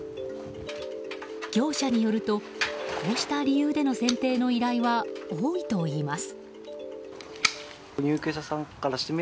業者によると、こうした理由での剪定の依頼は多いといいます。